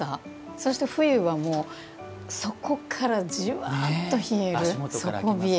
そして冬はもう底からじわっと冷える底冷え。